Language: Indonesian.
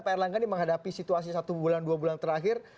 pak erlangga ini menghadapi situasi satu bulan dua bulan terakhir